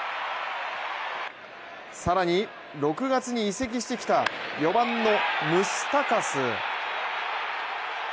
更に６月に移籍してきた４番のムスタカス。